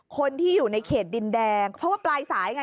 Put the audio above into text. คนที่อยู่ในเขตดินแดง